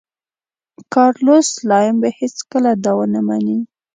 کارلوس سلایم به هېڅکله دا ونه مني.